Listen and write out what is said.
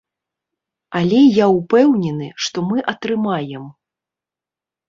Але я ўпэўнены, што мы атрымаем.